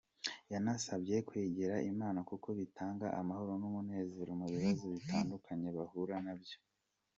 Yanabasabye kwegera Imana kuko bitanga amahoro n’umunezero mu bibazo bitandukanye bahura na byo.